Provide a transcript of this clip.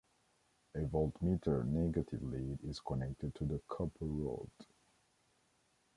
A voltmeter negative lead is connected to the copper rod.